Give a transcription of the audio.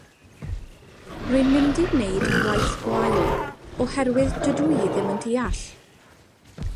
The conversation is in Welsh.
Rwy'n mynd i wneud gwaith gwael, oherwydd dydw i ddim yn deall.